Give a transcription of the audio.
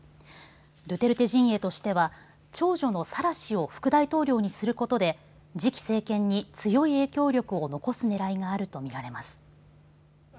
ドゥテルテ陣営としては長女のサラ氏を副大統領にすることで次期政権に強い影響力を残すねらいがあるとみられます。